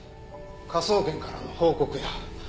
科捜研からの報告や。